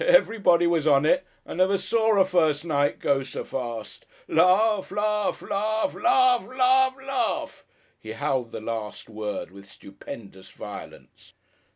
Everybody was on it. I never saw a first night go so fast. Laugh, laugh, laugh, LAUGH, LAUGH, LAUGH" (he howled the last word with stupendous violence).